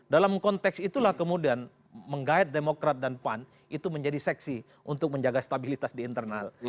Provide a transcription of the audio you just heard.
dalam konteks itulah kemudian menggait demokrat dan pan itu menjadi seksi untuk menjaga stabilitas di internal